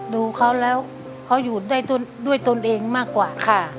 ดูเขาแล้วเขาอยู่ได้ด้วยตนเองมากกว่าค่ะ